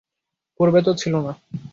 পূর্বে তো ছিল না।